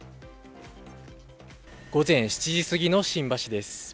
午前７時過ぎの新橋です。